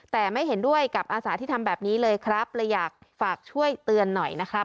แต่ไม่เห็นด้วยกับอาสาที่ทำแบบนี้เลยครับเลยอยากฝากช่วยเตือนหน่อยนะครับ